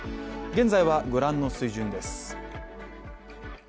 現在はご覧の水準です。